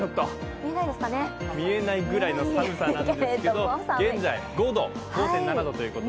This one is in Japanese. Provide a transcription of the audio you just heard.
見えないぐらいの寒さなんですけど現在５．７度ということで。